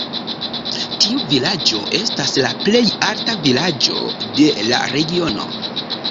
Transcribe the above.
Tiu vilaĝo estas la plej alta vilaĝo de la regiono.